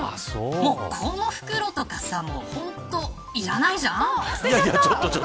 この袋とかさ本当いらないじゃん。